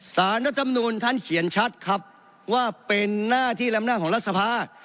สารรัฐมนุนท่านเขียนชัดครับว่าเป็นหน้าที่ลำหน้าของรัฐสภา